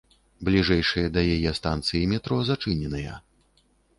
Бліжэйшыя да яе станцыі метро зачыненыя.